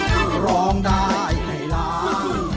คือร้องได้ให้ล้าน